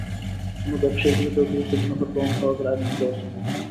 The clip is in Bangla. কোনো ব্যবসায়ীর বিরুদ্ধে অতিরিক্ত মুনাফার প্রমাণ পাওয়া গেলে আইনানুগ ব্যবস্থা নেওয়া হবে।